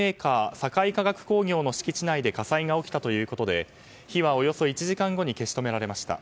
堺化学工業の敷地内で火災が起きたということで火はおよそ１時間後に消し止められました。